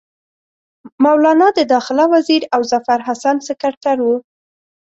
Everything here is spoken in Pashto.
مولنا د داخله وزیر او ظفرحسن سکرټر وو.